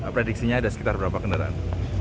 prediksinya ada sekitar berapa kendaraan